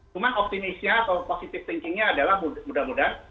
cuma optimisnya atau positive thinkingnya adalah mudah mudahan